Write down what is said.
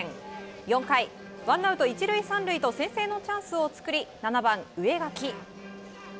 ４回、ワンアウト１塁３塁と先制のチャンスを作り７番、植垣。